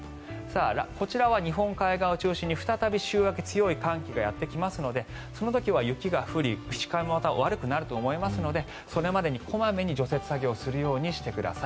こちらは日本海側を中心に再び週明け強い寒気がやってきますのでその時は雪が降り視界もまた悪くなると思いますのでそれまでに小まめに除雪作業をするようにしてください。